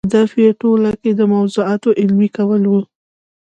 هدف یې په ټولنه کې د موضوعاتو عملي کول دي.